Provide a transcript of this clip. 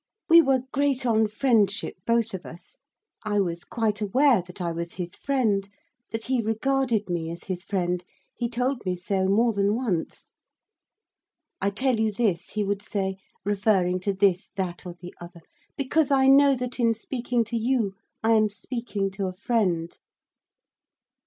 We were great on friendship, both of us. I was quite aware that I was his friend, that he regarded me as his friend; he told me so more than once. 'I tell you this,' he would say, referring to this, that, or the other, 'because I know that, in speaking to you, I am speaking to a friend.